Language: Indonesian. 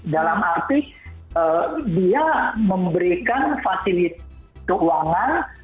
dalam arti dia memberikan fasilitas keuangan